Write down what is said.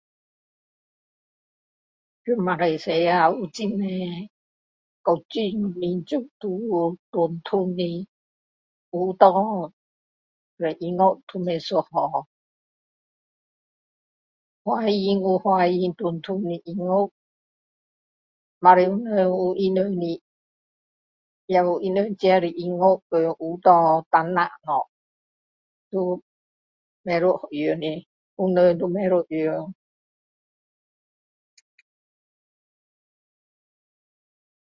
在马来西亚，有很多各种民族都有传统的舞蹈和音乐都不一样。华人有华人传统的音乐。马来人有他们的，也有他们自己的音乐和舞蹈 [unintelligible] 物。都不一样的，湖人都不一样。